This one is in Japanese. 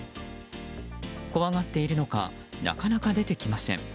怖がっているのかなかなか出てきません。